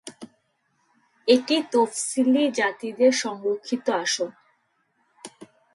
এটি তফসিলী জাতিদের সংরক্ষিত আসন।